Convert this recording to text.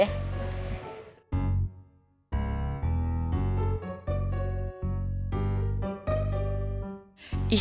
hmm gitu deh